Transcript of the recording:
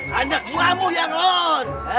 hanya buahmu yang on